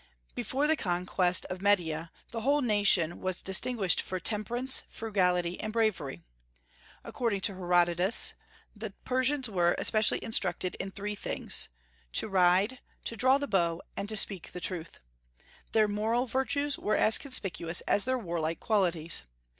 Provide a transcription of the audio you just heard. Before the conquest of Media the whole nation was distinguished for temperance, frugality, and bravery. According to Herodotus, the Persians were especially instructed in three things, "to ride, to draw the bow, and to speak the truth." Their moral virtues were as conspicuous as their warlike qualities.